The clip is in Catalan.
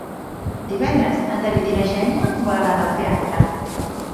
Divendres en David i na Xènia volen anar al teatre.